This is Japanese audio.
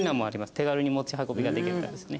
手軽に持ち運びができるものですね。